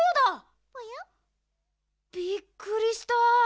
びっくりした。